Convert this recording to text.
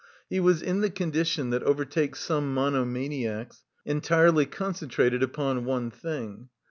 He was in the condition that overtakes some monomaniacs entirely concentrated upon one thing.